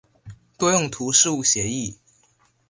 多用途事务协议。